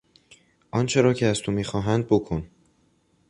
آنچه را که از تو میخواهند بکن!